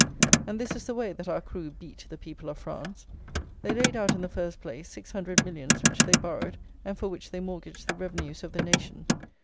And this is the way that our crew "beat" the people of France. They laid out, in the first place, six hundred millions which they borrowed, and for which they mortgaged the revenues of the nation.